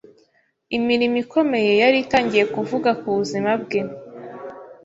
Imirimo ikomeye yari itangiye kuvuga ku buzima bwe.